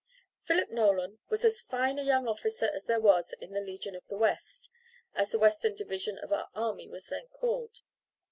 PHILIP NOLAN was as fine a young officer as there was in the "Legion of the West," as the Western division of our army was then called.